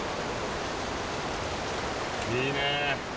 いいね。